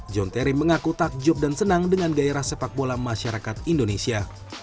john terry mengaku takjub dan senang dengan gairah sepak bola masyarakat indonesia